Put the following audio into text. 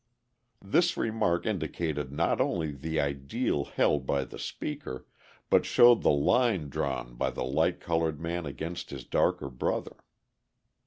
This remark indicated not only the ideal held by the speaker, but showed the line drawn by the light coloured man against his darker brother.